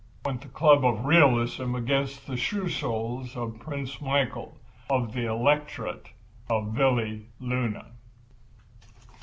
went the club of realism against the shoe soles of Prince Michael, of the Electorate of Valleluna.